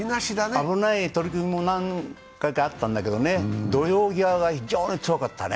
危ない取組も何回かあったんだけど、土俵際が非常に強かったね。